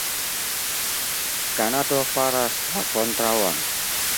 Kanado faras la kontraŭon.